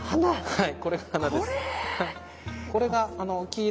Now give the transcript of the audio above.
はい。